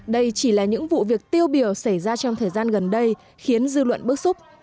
đây chỉ là những vụ việc tiêu biểu xảy ra trong thời gian gần đây khiến dư luận bức xúc